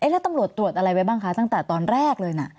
แล้วตำรวจตรวจอะไรไว้บ้างคะตั้งแต่ตอนแรกเลยนะ